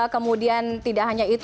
kemudian tidak hanya itu